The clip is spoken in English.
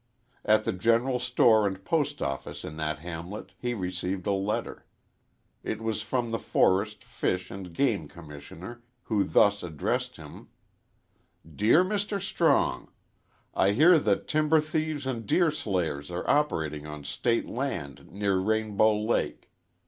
At the general store and post office in that hamlet he received a letter. It was from the forest, fish, and game commissioner, who thus addressed him: _"Dear Mr. Strong, I hear that timber thieves and deer slayers are operating on State land near Rainbow Lake.